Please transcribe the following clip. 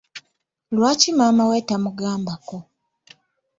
Lwaki maama we tamugambako?